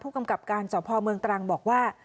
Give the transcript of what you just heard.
ผู้กำกับการสวทธิ์พลเมืองตรังบอกว่า